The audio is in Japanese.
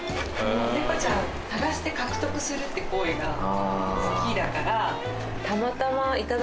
猫ちゃん探して獲得するって行為が好きだから。